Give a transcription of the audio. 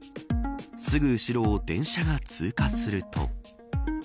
すぐ後ろを電車が通過すると。